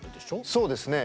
そうですね。